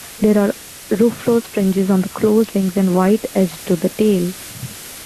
There are rufous fringes on the closed wings and white edged to the tail.